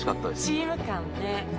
チーム感ね。